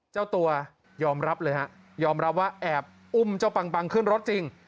เจ้าตัวยอมรับเลยฮะยอมรับว่าแอบอุ้มเจ้าปังปังขึ้นรถจริง